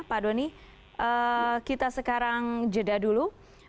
pak doni kita sekarang jeda dulu